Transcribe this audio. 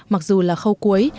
mặc dù là khâu cuối